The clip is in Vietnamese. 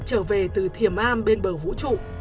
trở về từ thiền am bên bờ vũ trụ